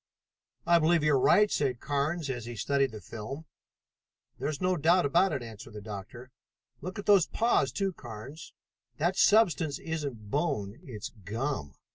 "I believe you're right," said Carnes as he studied the film. "There is no doubt of it," answered the doctor. "Look at those paws, too, Carnes. That substance isn't bone, it's gum.